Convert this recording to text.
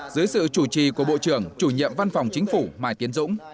dưới sự chủ trì của bộ trưởng chủ nhiệm văn phòng chính phủ mai tiến dũng